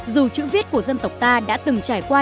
dù chữ viết của dân tộc ta đã từng trải qua